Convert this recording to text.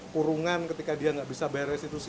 kurungan ketika dia tidak bisa bayar restitusi